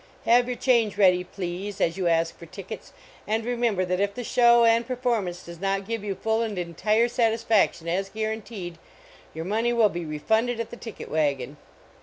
Have your change ready, please, as you ask for tickets, and remember that if the show and performance does not give you full and entire satisfaction as guaranteed, your money will be refunded at the ticket wagon.